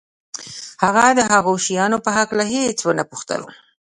هغه د هغو شیانو په هکله هېڅ ونه پوښتل